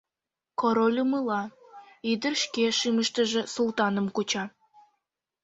Король умыла, ӱдыр шке шӱмыштыжӧ Султаным куча.